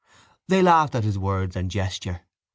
They laughed at his words and gesture.